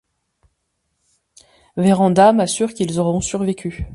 Vérand’a m’assure qu’ils auront survécu.